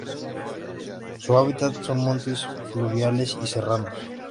Su hábitat son montes fluviales y serranos.